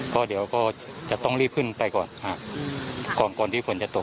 ก็เดี๋ยวก็จะต้องรีบขึ้นไปก่อนก่อนที่ฝนจะตก